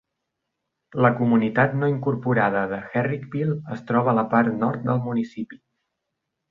La comunitat no incorporada de Herrickville es troba a la part nord del municipi.